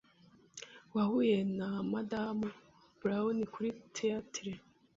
wahuye na Madamu Brown kuri theatre.